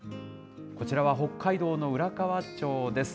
こちらは北海道の浦河町です。